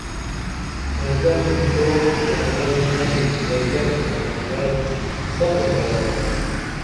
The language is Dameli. میدن چوع ژنگل نلی دریاب سمندر سپُن برابر